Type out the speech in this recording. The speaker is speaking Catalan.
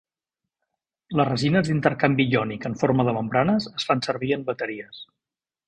Les resines d'intercanvi iònic en forma de membranes es fan servir en bateries.